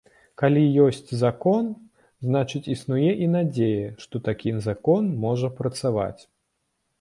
Калі ёсць закон, значыць, існуе і надзея, што такі закон можа працаваць.